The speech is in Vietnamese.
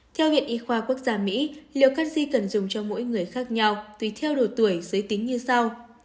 theo viện y khoa quốc gia mỹ liệu canxi cần dùng cho mỗi người khác nhau tùy theo độ tuổi giới tính như sau